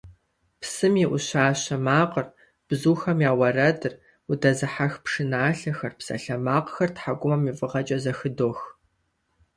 Псым и Ӏущащэ макъыр, бзухэм я уэрэдыр, удэзыхьэх пшыналъэхэр, псалъэмакъхэр тхьэкӀумэм и фӀыгъэкӀэ зэхыдох.